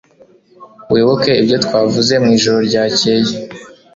Wibuke ibyo twavuze mwijoro ryakeye?